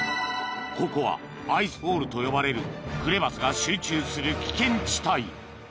［ここはアイスフォールと呼ばれるクレバスが集中する危険地帯］